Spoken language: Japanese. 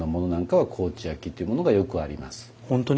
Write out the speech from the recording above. はい。